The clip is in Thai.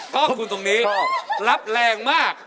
เพราะคุณตรงนี้รับแรงมาก